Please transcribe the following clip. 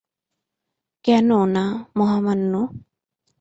কেনো, না, মহামান্য।